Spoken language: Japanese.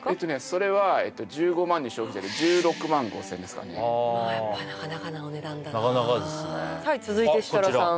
それは１５万に消費税で１６５０００円ですかねやっぱなかなかなお値段だななかなかですねはい続いて設楽さん